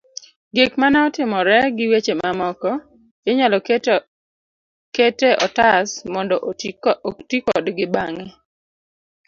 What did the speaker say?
Gik mane otimore gi weche mamoko, inyalo kete otas mondo oti kodgi bang'e.